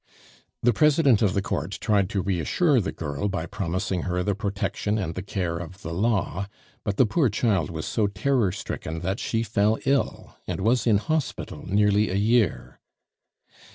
The President of the Court tried to reassure the girl by promising her the protection and the care of the law; but the poor child was so terror stricken that she fell ill, and was in hospital nearly a year.